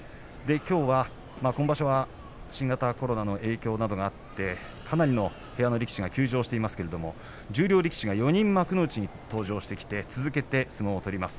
きょうは今場所は新型コロナの影響などがあってかなりの部屋の力士が休場していますけれども十両力士が４人幕内に登場してきて続けて相撲を取ります。